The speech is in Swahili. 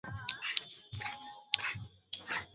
wala majimbo yote ya Kiislamu ya Zama za Kati yaliyowahi